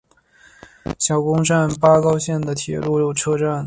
小宫站八高线的铁路车站。